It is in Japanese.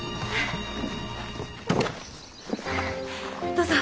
どうぞ。